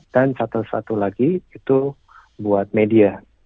dan satu satu lagi itu buat media